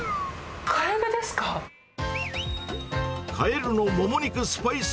カエルのももスパイス。